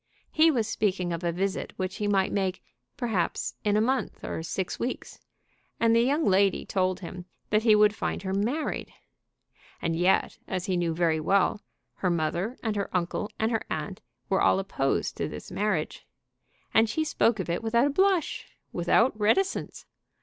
He was speaking of a visit which he might make, perhaps, in a month or six weeks, and the young lady told him that he would find her married! And yet, as he knew very well, her mother and her uncle and her aunt were all opposed to this marriage. And she spoke of it without a blush, without any reticence!